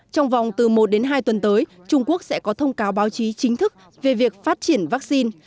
trong vòng từ một đến hai tuần tới trung quốc sẽ có thông cáo báo chí chính thức về việc phát triển vaccine